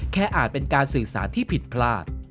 อาจเป็นการสื่อสารที่ผิดพลาด